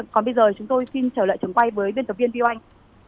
còn bây giờ chúng tôi xin trở lại trường quay với viên tập viên viu anh